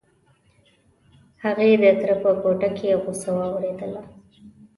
هغې د تره په کوټه کې غوسه واورېدله.